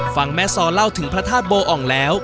ฟังแม่ซอเล่าถึงพระธาตุโบอ่องแล้ว